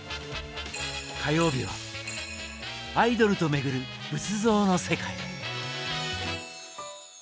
火曜日は「アイドルと巡る仏像の世界」。